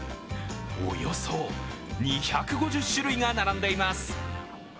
およそ２５０種類が並んでいます。